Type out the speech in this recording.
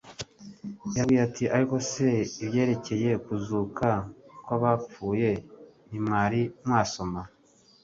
Yarababwiye ati: «Ariko se ibyerekcye kuzuka kw'abapfuye ntimwari mwasoma